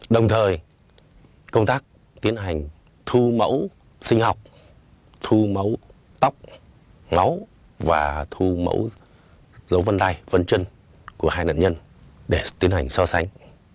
đồng thời công tác tiến hành thu mẫu sinh học thu máu tóc máu và thu mẫu dấu vân tay vân chân của hai nạn nhân để tiến hành so sánh